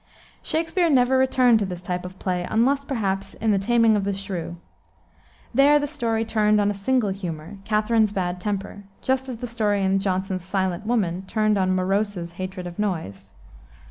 Shakspere never returned to this type of play, unless, perhaps, in the Taming of the Shrew. There the story turned on a single "humor," Katherine's bad temper, just as the story in Jonson's Silent Woman turned on Morose's hatred of noise.